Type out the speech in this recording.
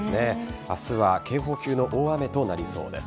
明日は警報級の大雨となりそうです。